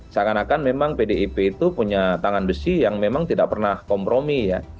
seakan akan memang pdip itu punya tangan besi yang memang tidak pernah kompromi ya